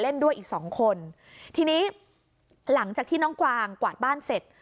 ด้วยอีกสองคนทีนี้หลังจากที่น้องกวางกวาดบ้านเสร็จ